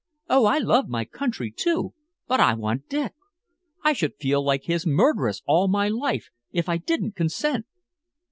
Oh, I love my country, too, but I want Dick! I should feel like his murderess all my life, if I didn't consent!"